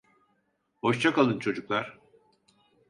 Hoşça kalın çocuklar.